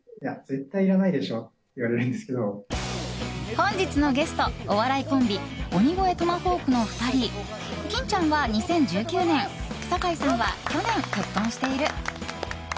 本日のゲスト、お笑いコンビ鬼越トマホークの２人金ちゃんは２０１９年坂井さんは去年、結婚している。